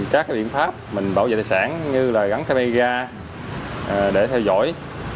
các biện pháp mình bảo vệ tài sản như là gắn cây bê ga để theo dõi